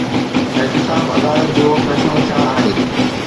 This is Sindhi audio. احتساب عدالت جو فيصلو ڇا آهي؟